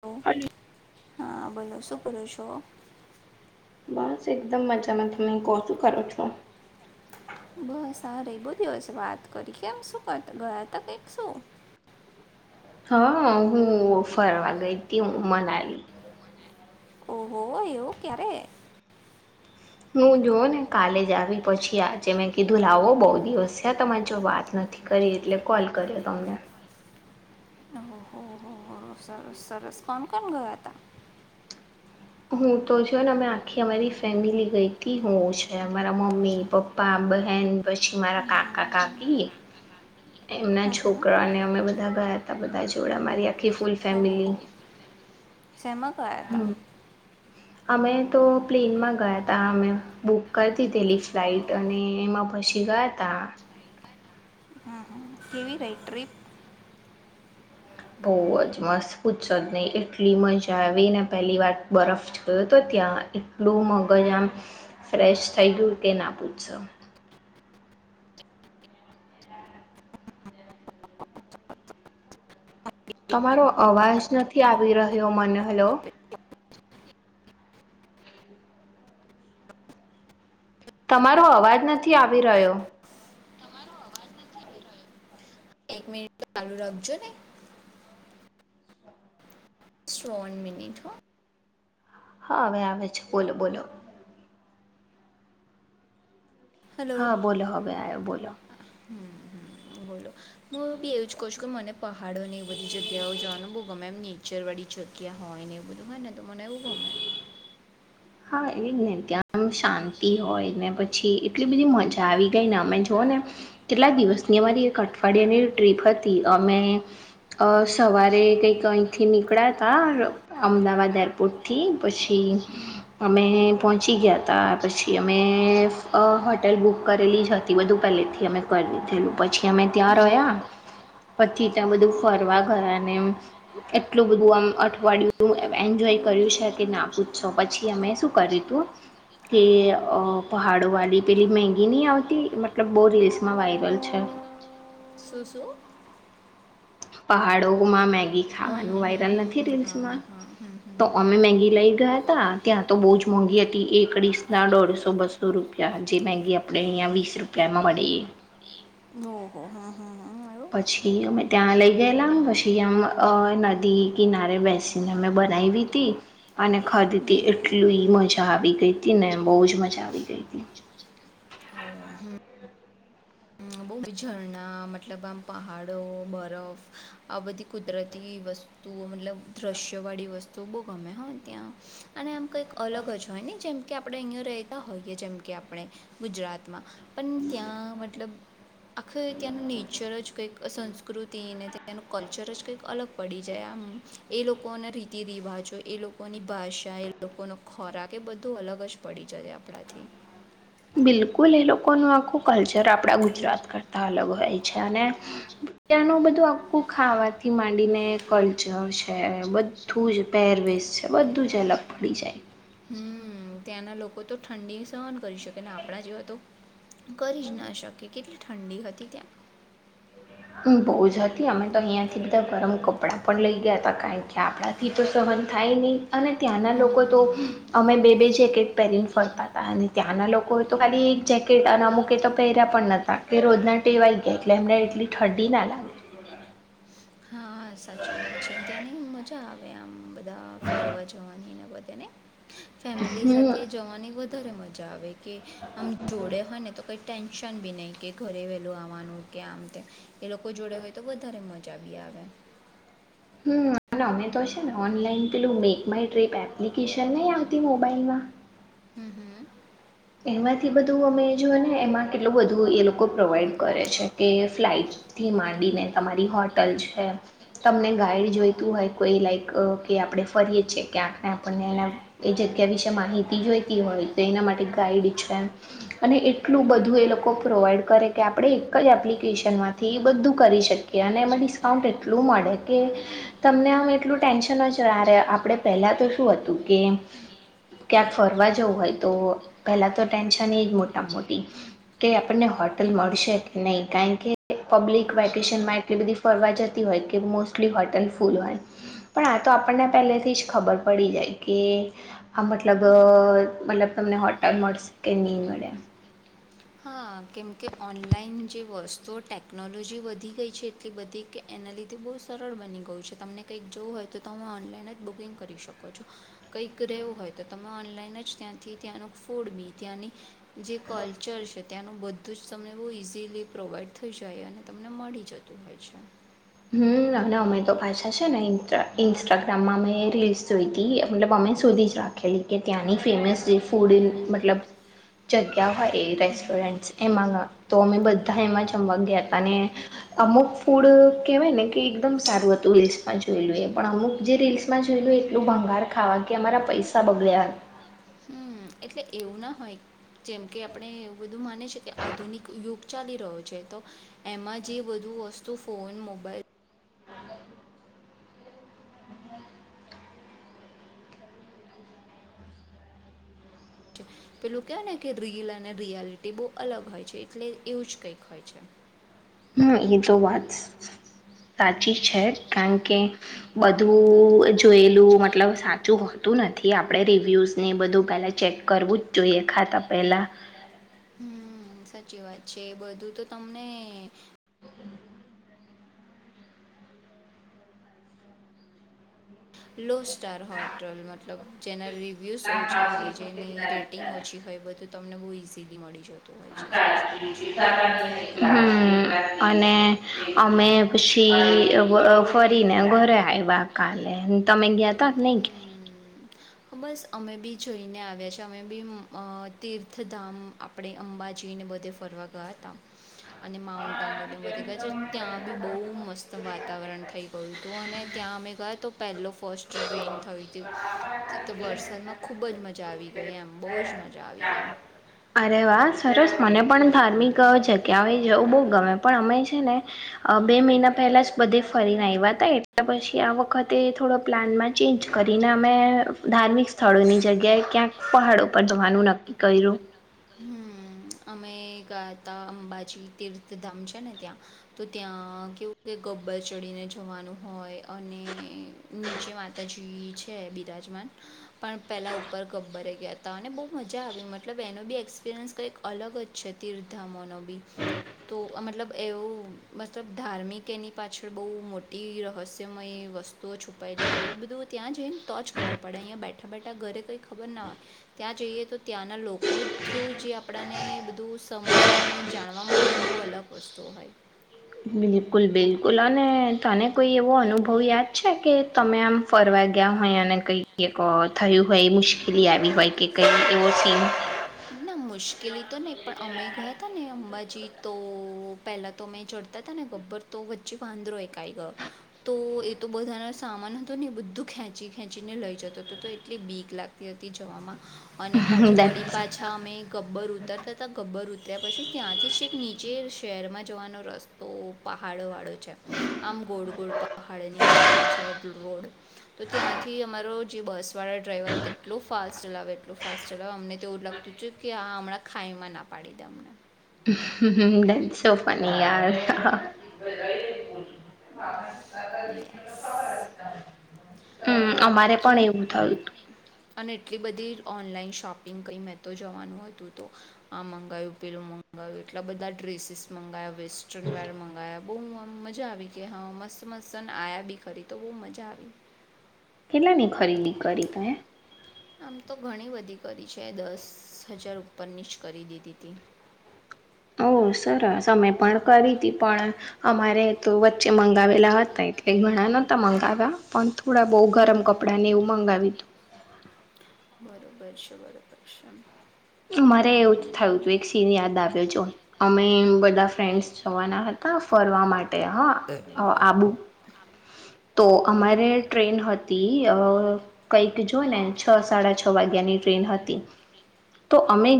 લો, hello. હા, બોલો શું કરો છો? બસ, એકદમ મજામાં. તમે કો શું કરો છો? બસ, આ રહી બહુ દિવસે વાત કરી, કેમ શું કરતા બારતા કઈક શું? હા, હું ફરવા ગઈતી, હું મનાલી. ઓહો! એવું ક્યારે? હું જોવોને કાલે જ આવી પછી આજે મેં કીધું લાવો બહુ દિવસ છે તમા જો વાત નથી કરી, એટલે કોલ કર્યો તમને. અહ, હો, હો, હો, સરસ સરસ, કોણ કોણ ગયાતા. હું તો જો ને અમે આખી અમારી ફેમિલી ગઈતી હોવ છે, અમારા મમ્મી પપ્પા બહેન પછી મારા હા હા કાકા હા. કાકી એમના હા હા છોકરાને અમે બધા ગયા હતા બધા તોડા મારીયા ખી ફુલ ફેમિલી શમગ હતા અમે તો પ્લેનમાં ગયા તા અમે બુક કરતી પેલી ફ્લાઈટ અને એમાં પછી ગયા ત હમ હ કેવી રઈટ ટ્ર્રીપ બહ જ મસ્ત પૂછશો જ નહી એટલી મજા આવી ને પહેલી વાર બરફ જોયો તો ત્યાં એટલું મગજ આમ ફ્રેશ થઈ ગયું તે ના પૂછશો તમારો અવાજ નથી આવી રહ્યો મને હલો. તમારો અવાજ નથી આવી રહ્યો. એક મિનિટ આાલુ રાખજોને. ત્રણ મિનિટ હો. હા હવે આવે છે બોલો બોલો. હેલો હા બોલો હવે આયો બોલો. હમ હમ બોલો હું બી એવું જ કહ છું કે મને પહાડો ને એ બધી જગ્યાઓ જવાનું બહુ ગમે એમ નેચર વાળી જગ્યા હોય ને એ બધું હોય ને તો મને એવું ગમે. હા એજને કે ત્યાં દમ શાંતિ હોય ને પ છી એટલી બધી મજા આવી ગઈ ને અમે જોઓ ને કેટલા દિવસની અમારી એક અઠવાડિયાની ટ્રીપ હતી અમે અ સવારે કઈક અહીથી નીકળ્યા તા અમદાવાદ એરપોર્ટ થી પછી અમે પહોંચી ગયા તા પછી અમે અ હોટલ બુક કરેલી જ હતી બધું પહેલેથી અમે કરી દીધેલું પછી અમે ત્યાં રહ્યા પછી ત્યાં બધું હમ ફરવા ગયા અને એટલું બધું આમ અઠવાડિયું એન્જોય કર્યું છે કે ના પૂછશો પછી અમે શું કર્યું હતું કે અ પહાડો વાળી પેલી મેગી નહી આવતી મતલબ બહુ રીલ્સમાં વાયરલ છે. સું શું. પહાડોમાં મેગી ખાવાનું હમ હમ વાયરલ હમ નથી હમ રીલ્સમાં હા હા હમ તો હમ અમે મેગી લઈ ગયા હતા ત્યાં તો બહુ જ મોંઘી હતી એક ડીસના દોઢસો બસો રૂપિયા જે મેગી આપણે અહિયા વીસ રૂપિયામાં મળે. ઓહો હા હા હા એવું પછી અમે ત્યાં લઈ ગયેલા પછી આમ અ નદી કિનારે બેસીને અમે બનાવી તી અને હમ ખાદીતી હમ એટલી મજા આવી ગઈ તી ને બહુ જ મજા આવી ગઈ તી. ઓ હમ બહુ ઝરણા મતલબ આમ પહાડો બરફ આ બધી કુદરતી વસ્તુ મતલબ દ્રશ્ય વાળી વસ્તુઓ બહુ ગમે હો ત્યાં અને આમ કઈક અલગ જ હોય ને જેમ કે આપણે અહીયાં રેતા હોઈએ જેમ કે આપણે ગુજરાતમાં પણ ત્યાં મતલબ આખરે ત્યાંનું નેચર જ કંઈક સંસ્કૃતિ અને તેનું કલ્ચર જ કંઈક અલગ પડી જાય આમ એ લોકોના રીતિ રિવાજો એ લોકોની ભાષા એ લોકોનો ખોરાક એ બધો અલગ જ પડી બિલકુલ એ લોકો નુ આખું કલ્ચ જ આપડા ગુજરાત કરતા અલગ હોય છે અને ત્યાંનું બધું આખું ખાવાથી માંડીને કલ્ચર છે બધું જ પહેરવેશ છે બધું જ અલગ પડી જાય. હમ ત્યાંના લોકો તો ઠંડી સહન કરી શકે ને આપણા જેવા તો. કરી જ ના શકે કેટલા ઠંડી હતી ત્યાં. બહુ જ હતી અમે તો અહીંયાથી બધા ગરમ કપડાં પણ લઈ ગયા હતા કારણ કે આપણાથી તો સહન થાય નહીં. અને ત્યાંના લોકો તો અમે હમ્મ. બે બે જે પહેરીને ફરતા હતા અને ત્યાંના લોકોએ તો ખાલી એક જેકેટ અને અમુક એ તો પહેર્યા પણ નતા કે રોજના ટેવાઈ ગયા એટલે એમને એટલી ઠંડી ના લાગે. હા સાચી વાત છે ને ત્યાં નહીં મજા આવે આમ બધા ફરવા જવાની ને બધા તેને ફેમિલી હમ સાથે જવાની વધારે મજા આવે કે આમ જોડે હોય ને તો કઈ ટેન્શન બી નહીં કે ઘરે વહેલું આવવાનું કે આમતે એ લોકો જોડે હોય તો વધારે મજા બી આવે. હમ અમે તો છે ને ઓનલાઈન પેલું મેક માય ટ્રીપ એપ્લિકેશન નહી આવતી મોબાઈલમાં હમ હમ એમાંથી બધું અમે જો ને એમાં કેટલું બધું એ લોકો પ્રોવાઈડ કરે છે કે ફ્લાઇટથી માંડીને તમારી હોટલ છે તમને ગાઈડ જોઈતું હોય કોઈ લાઈક કે આપણે ફરીએ છીએ ક્યાંકને આપણને એ જગ્યા વિશે માહિતી જોઈતી હોય તો એના માટે ગાઈડ છે અને એટલું બધું એ લોકો પ્રોવાઈડ કરે કે આપણેે એક જ એપ્લિકેશન માંથી બધું કરી શકીએ અને એમાં ડિસ્કાઉન્ટ એટલું મળે કે તમને આમ એટલું ટેન્શન જ ના રે આપણે પહેલા તો શું હતું કે ક્યાંક ફરવા જવું હોય તો પહેલાં તો ટેન્શન એ જ મોટા મોટી કે આપણને હોટલ મળશે કે નહીં કારણ કે પબ્લિક વેકેશનમાં એટલી બધી ફરવા જતી હોય કે મોસ્ટલી હોટલ ફૂલ હોય પણ આ તો આપણને પહેલેથી જ ખબર પડી જાય કે આ મતલબ મતલબ તમને હોટ મળશે કે નહીં મળે. હા કેમકે ઓનલાઈન જે વસ્તુ તો ટેકનોલોજી વધી ગઈ છે એટલી બધી કે એના લીધે બહુ સરળ બની ગયું છે તમને કંઈક જવું હોય તો ત હમે ઓનલાઈન જ બુકિંગ કરી શકો છો કંઈક રહેવું હોય તો તમે ઓનલાઈન જ ત્યાંથી ત્યાંનું ફૂડ બી ત્યાંની જે કલ ચલશે ત્યાંનું બધું જ તમને બહુ ઇઝીલી પ્રોવાઈડ થઈ જાય અને તમને મળી જતું હોય છે. હમ અને અમે તો પાછા છે ને ઇન્સ્ટાગ્રામમાં મેં રીલ્સ જોઈ હતી મતલબ અમે સુધી જ રાખેલી કે ત્યાંની ફેમસ જે ફૂડ મતલબ જગ્યા હા એ રેસ્ટોરન્ટસ એમાંમાં તો અમે બધા એમાં જમવા ગયા હતા ને અમુક ફૂડ કેહેવાય ને કે એકદમ સારું હતું રીલ્સમાં જોયલું એ પણ અમુક જે રીલ્સમાં જોયલું એટલું ભંગાર ખાવા કે અમારા પૈસા બગડ્યા. એટલે એવું ના હોય જેમ કે આપણે એવું બધું માને છે કે આધુનિક યુગ ચાલી રહ્યો છે તો એમાં જે બધુ વસ્તુ ફોન મોબાઈલ છે પેલું કેવાય ને કે રીલ અને રિયાલિટી બહુ અલગ હોય છે એટલે એવું જ કંઈક હોય છે. હા એ આ વાસ [inaudible] સાચી છે કારણ કે બધું જોયેલું મતલબ સાચું હોતું નથી આપણે રિવ્યુઝ ને બધું પહેલા ચેક કરવું જ જોઈએ ખાતા પેલા. હમ સાચી વાત છે બધું તો તમને. લોસ્ટ સ્ટાર હોટલ મતલબ ચેનરલ [inaudible] વ્યૂઝ ઓછા હોય જેની રેટિંગ ઓછી હોય બધું તો તમને બહુ ઇઝીલી મળી શ. હમ. અને અમે ફરીને ઘરે આવ્યા તમે ગયા હતા ને પછી, કરીને ઘરે આવ્યા કાલે. તમે ગયા ત નહી? બસ અમે બી જઈને આવ્યા છી અમે બી તીર્થધામ આપણે અંબાજીને બધે ફરવા ગયા હતા. અને માઉન્ટ આંબોદમ વધતી ગયા છે ત્યાં બી બહુ મસ્ત વાતાવરણ થઈ ગયું હતું, અને ત્યાં અમે ગયા તો પહેલો ફર્સ્ટ ટ્રેન થઈ હતી તે તો વરસાદમાં ખૂબ જ મજા આવી ગઈ એમ બહુ જ મજા. આવી ગઈ. અરે વાહ સરસ મને પણ ધાર્મિક જગ્યાઓ એ જવું બહુ ગમે પણ અમે છે ને બે મહિના પહેલા જ બધે ફરીને આવ્યા ત હમ એટલે પછી આ વખતે થોડો પ્લાનમાં ચેન્જ કરીને અમે ધાર્મિક સ્થળોની જગ્યાએ ક્યાંક પહાડ ઉપર જવાનું નક્કી કર્યું. અમે ગયા હતા અંબાજી તીર્થધામ છે ને ત્યાં તો ત્યાં કેવું કે ગબ્બર ચડીને જવાનું હોય અને નીચે માતાજી છે બિરાજમાન પણ પહેલાં ઉપર ગબ્બરે ગયા હતા અને બહુ મજા આવી મતલબ એનો બી એક્સપિરિયન્સ કંઈક. અલગ જ છે તીર્ધામોનો બી તો મતલબ એવું મતલબ ધાર્મિક એની પાછળ બહુ મોટી રહસ્યમય વસ્તુઓ છુપાયેલી હોય એ બધું ત્યાં જઈને તો જ ખબર પડે અહીંયા બેઠા બેઠા ઘરે કંઈ ખબર ના હોય ત્યાં જઈએ તો ત્યાંના લોકો થ્રુ જે આપ આપડાને બધું સમજવા અને જાણવા મળે ને બહુ અલગ વસ્તુ હોય બિલકુલ બિલકુલ અને તને કોઈ એવો અનુભવ યાદ છે કે તમે આમ ફરવા ગયા હોય અને કઈ કક થયું હોય મુશ્કેલી આવી હોય કે કઈ એવો સીન? ના મુશ્કેલી તો નહી પણ અમે ગયા હતા ને અંબાજી તો પહેલા તો અમે ચડતા હતા ને બપર તો વચ્ચે વાંધરો એકઈ ગયો તો એ તો બધાનો સામાન હતો ને બધું ખેંચી ખેંચીને લઈ જતો હતો તો એટલી બીક લાગતી હતી જવામાં અને પાછો વડી દેટ્સ પાછા અમે ગબ્બર ઉતરતા હતા ગબ્બર ઉ ત્યા પછી ત્યાંથી નીચે શહેરમાં જવાનો રસ્તો પહાડો વાળો આ ગોડ ગોડ પાહાળની રોડ તો ત્યાંથી અમારો જે બસ વાળા ડ્રાઈવર તેટલુ ફાસ્ટ ચલાવે એટલું ફાસ્ટ ચલાવે અમને એવું લખતું ચુ કે હ હમણાં ખાઈમાં ના પાડી દેમને હમ ડાન્સો ફુન્ની યાર યેસ્સ હમ અમારે પણ એવું થયુંતું અને એટલી બધી ઓનલાઈન શોપિંગ કંઈ મેં તો જવાનું હતું તો આ મંગાવું પેલું મંગાવ્યું એટલા બધા ડ્રેસીસ મંગાવયા વેસ્ટર્ન વેડ મંગાયા બુઉ મ મ મજા આવી કે હા મસ્ત મત સન આ્યા બી ખરી તો બહુ મજા આવી કેટલા ની ખરીદી કરી તેં આમ તો ઘણી બધી કરી છે એ દસ હજાર ઉપરની જ કરી દીધી તી ઓ સરસ અમે પણ કરી હતી પણ અમારે તો વચ્ચે મંગાવેલા હતા એટલે ઘણા નહોતા મંગાવ્યા પણ થોડા બહુ ગરમ કપડા ને એવું મંગાવી તું બરોબર છે બરોબર છે મારે એવું જ થયું તું એક સીન યાદ આવ્યો જો અમે બધા ફ્રેન્ડસ જવાના હતા ફરવા માટ હા આબુ તો અમારે ટ્રેન હતી અ કંઈક જોય ને છ સાડા છ વાગ્યાની ટ્રેન હતી તો અમે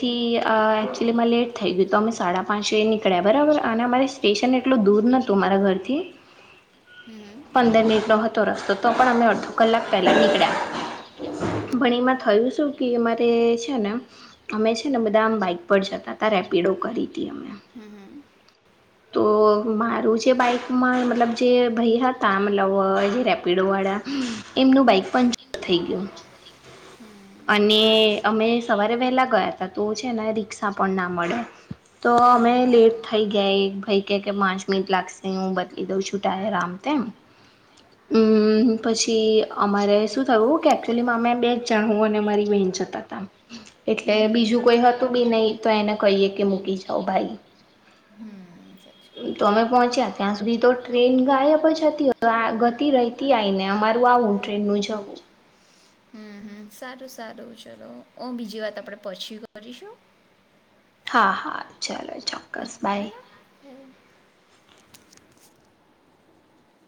તો એકચુલીમાં લેટ થઈ ગયું તો અમે સાડા પાંચ નીકળ્યા બરાબર અને અમારે સ્ટેશન એટલું દૂર નહતું અમારા ઘરથી હમ પંદર મિનિટનો હતો રસ્તો તો પણ અમે અડધો કલાક પહેલાં નીકળ્યા ભણી એમાં થયું શું કે અમારે છે ને બધામ બાઈક પર જતા ત રેપિડો કરી હતી અમે હમ હમ તો મારું જે બાઈકમાં મતલબ જે ભાઈ હતા મતલબ જે રેપિડો વાળા એમનું બાઈક પંચર થઈ ગયું હમ બરોબર છે. અને અમે સવારે વહેલા ગયા હતા છે રિક્ષા બોર્ડના હમ. તો અમે લેટ થઈ ગઈ અને અમે સવારે વહેલાં ગયા હતા તો છે એના રિકષા પણ ના મળે તો અમે લેટ થઈ ગયા એક ભાઈ કે કે પાંચ મિનિટ લાગશે હું બદલી દઉં છું ટાયર આમ તેમ હમ હમ પછી અમારે શું થયું કે એકચ્યુલી અમે બે જ જણ હું અને અમારી બેન જતા એટલે હમ હમ બીજું હમ. કોઈ હતું બી નહી તો એને કહીએ કે મૂકી જાાવ ભાઈ જવાય. હમ સાચું. તો અમે પહોંચ્યા ત્યાં સુધી તો ટ્રેન ગાયબ જ હતી ગતી રતી આવીને અમારું આવું ટ્રેન ન હમ. જવું હમ હમ સારું સારું ચલો હ બીજી વાત આપણે પછી કરીશું હા હા ચલો ચોક્કસ ઓકે બાય હેને.